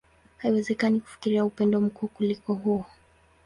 Haiwezekani kufikiria upendo mkuu kuliko huo.